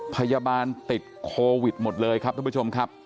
พยาบาลติดโควิดหมดเลยครับท่านผู้ชมครับ